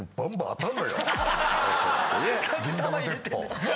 銀玉鉄砲。